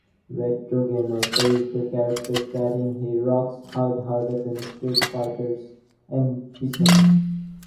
"Retro Gamer" praised the character, stating he "rocks hard...harder than "Street Fighter"s M. Bison".